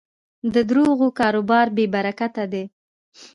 د دروغو کاروبار بېبرکته دی.